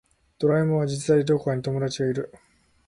ドラえもんは実在でどこかに友達がいる